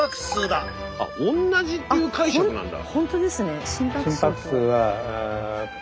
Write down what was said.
あっおんなじっていう解釈なんだ。